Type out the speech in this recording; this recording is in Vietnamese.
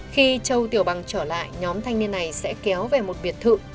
khi châu tiểu bằng trở lại nhóm thanh niên này sẽ kéo về một biệt thự